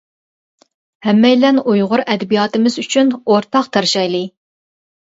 ھەممەيلەن ئۇيغۇر ئەدەبىياتىمىز ئۈچۈن ئورتاق تىرىشايلى!